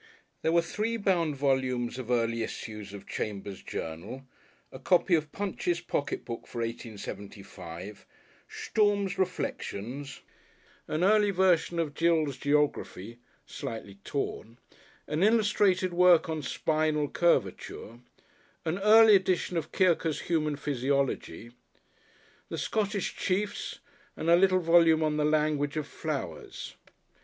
There were three bound volumes of early issues of Chambers' Journal, a copy of Punch's Pocket Book for 1875, Sturm's Reflections, an early version of Gill's Geography (slightly torn), an illustrated work on Spinal Curvature, an early edition of Kirke's Human Physiology, The Scottish Chiefs and a little volume on the Language of Flowers.